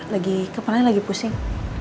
lagi kepalanya lagi pusing